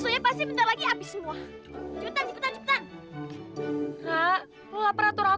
udah makan lagi lo